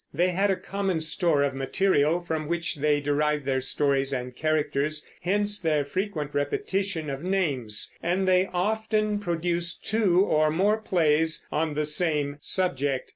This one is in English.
They had a common store of material from which they derived their stories and characters, hence their frequent repetition of names; and they often produced two or more plays on the same subject.